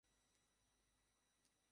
ভোর হয়ে এসেছে।